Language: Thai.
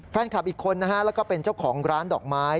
แฟนคลับอีกคนนะฮะแล้วก็เป็นเจ้าของร้านดอกไม้